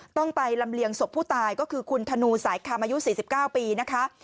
ต้องไปลำเลียงศพผู้ตายก็คือคุณธนูสายคำอายุ๔๙ปีนะคะ